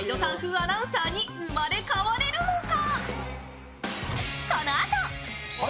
アナウンサーに生まれ変われるのか？